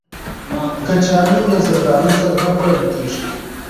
کچالو له زردالو سره نه خوړل کېږي